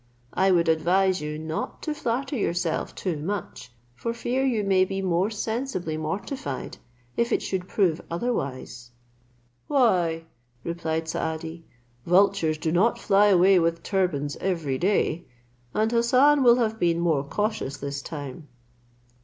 I would advise you not to flatter yourself too much, for fear you may be more sensibly mortified if it should prove otherwise." "Why," replied Saadi, "vultures do not fly away with turbans every day; and Hassan will have been more cautious this time."